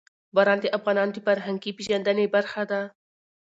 باران د افغانانو د فرهنګي پیژندنې برخه ده.